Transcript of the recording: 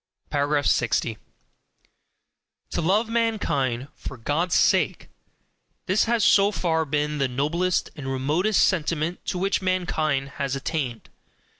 60. To love mankind FOR GOD'S SAKE this has so far been the noblest and remotest sentiment to which mankind has attained.